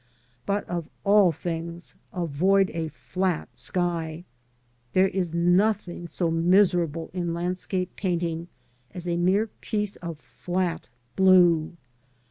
But of all things avoid a fiat sk^. There is nothing so miserable in landscape painting as a " ^f ^^ PJ^ ^^^^ q£ A^^ blue